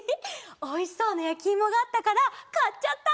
おいしそうなやきいもがあったからかっちゃった！